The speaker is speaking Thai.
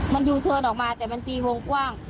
เนี่ยเขานั่งล้างจานอยู่ตรงนู้น